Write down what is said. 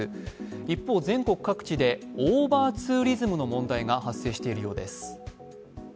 一方、全国各地でオーバーツーリズムの問題が発生しているようです。